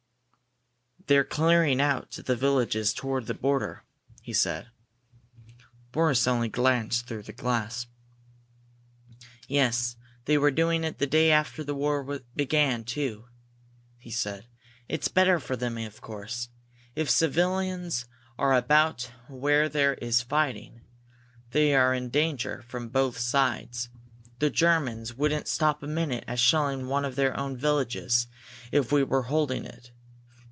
"They're clearing out the villages toward the border," he said. Boris only glanced through the glass. "Yes. They were doing it the day after the war began, too," he said. "It's better for them, of course. If civilians are about where there is fighting, they are in danger from both sides. The Germans wouldn't stop a minute at shelling one of their own villages if we were holding it.